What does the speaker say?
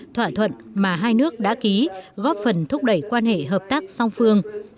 thỏa thuận mà hai nước đã ký góp phần thúc đẩy quan hệ hợp tác song phương